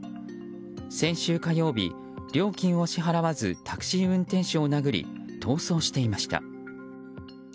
先週火曜日、料金を支払わずタクシー運転手を殴り逃走していました。